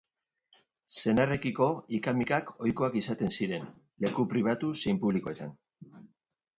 Senarrekiko ika-mikak ohikoak izaten ziren, leku pribatu zein publikoetan.